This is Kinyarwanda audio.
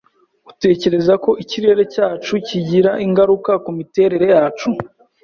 Utekereza ko ikirere cyacu kigira ingaruka kumiterere yacu?